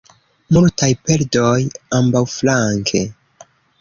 Multaj perdoj ambaŭflanke.